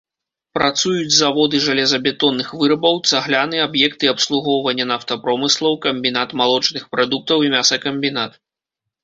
Працуюць заводы жалезабетонных вырабаў, цагляны, аб'екты абслугоўвання нафтапромыслаў, камбінат малочных прадуктаў і мясакамбінат.